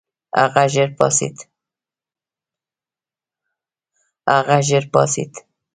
هغه ژر پاڅېد.